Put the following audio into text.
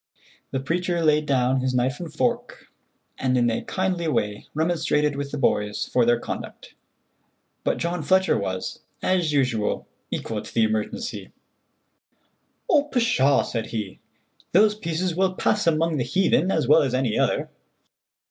The preacher laid down his knife and fork and in a kindly way remonstrated with the boys for their conduct, but John Fletcher was, as usual, equal to the emergency. "Oh, pshaw," said he, "those pieces will pass among the heathen as well as any other."